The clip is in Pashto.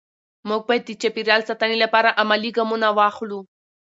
موږ باید د چاپېریال ساتنې لپاره عملي ګامونه واخلو